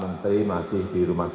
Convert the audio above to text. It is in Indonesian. seorang orang juga mau panggil masalah